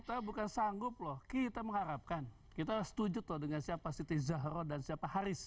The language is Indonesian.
kita bukan sanggup loh kita mengharapkan kita setuju tuh dengan siapa siti zahro dan siapa haris